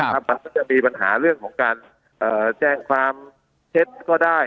มันก็จะมีปัญหาเรื่องของการแจ้งความเท็จก็ได้